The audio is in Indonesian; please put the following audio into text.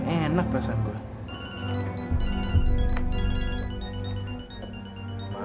enak perasaan gua